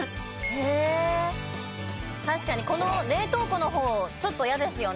確かにこの冷凍庫の方ちょっとイヤですよね